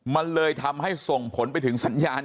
มันเลยทำให้ส่งผลไปถึงสัญญาณ